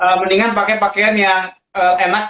jadi memang mendingan pakai pakaian yang enak